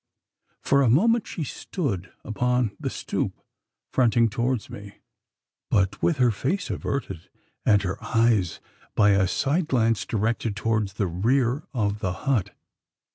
For a moment she stood upon the stoop, fronting towards me but with her face averted, and her eyes by a side glance directed towards the rear of the hut.